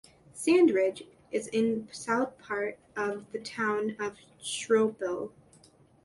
Sand Ridge is in south part of the Town of Schroeppel.